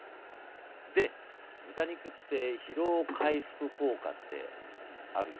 で豚肉って疲労回復効果ってあるよね？